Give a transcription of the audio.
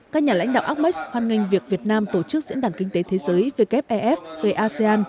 các nhà lãnh đạo ake hoan nghênh việc việt nam tổ chức diễn đàn kinh tế thế giới wef về asean